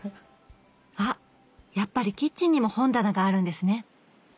あっやっぱりキッチンにも本棚があるんですね。